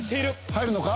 入るのか？